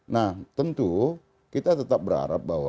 nah tentu kita tetap berharap bahwa